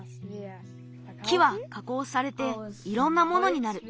木はかこうされていろんなものになる。